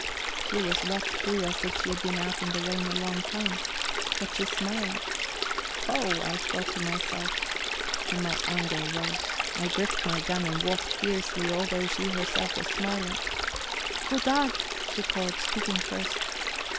She was wet through, as if she had been out in the rain a long time, but she smiled. Ho! I thought to myself, and my anger rose; I gripped my gun and walked fiercely although she herself was smiling. "Goddag!" she called, speaking first.